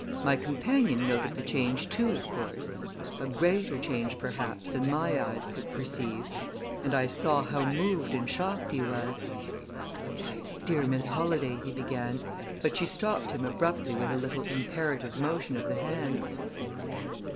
My companion noted the change, too, of course a greater change, perhaps, than my eyes could perceive and I saw how moved and shocked he was. "My dear Miss Holladay," he began, but she stopped him abruptly with a little imperative motion of the hand.